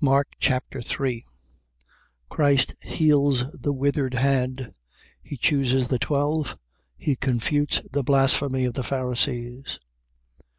Mark Chapter 3 Christ heals the withered hand. He chooses the twelve. He confutes the blasphemy of the Pharisees.